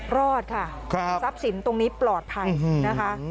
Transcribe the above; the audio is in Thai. รอดค่ะครับทรัพย์สินตรงนี้ปลอดภัยนะคะอืมนะคะ